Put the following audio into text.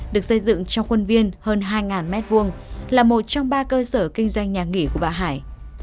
được xây dựng trong khuôn viên hơn hai m hai là một trong ba cơ sở kinh doanh nhà nghỉ của bà hải